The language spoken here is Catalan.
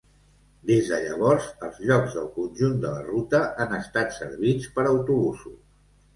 Des de llavors, els llocs del conjunt de la ruta han estat servits per autobusos.